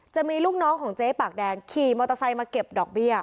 จะมีลูกน้องของเจ๊ปากแดงขี่มอเตอร์ไซค์มาเก็บดอกเบี้ย